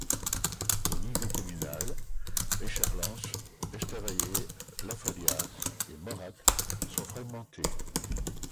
Au niveau communal, Echarlens, Estavayer, La Folliaz et Morat sont fragmentées.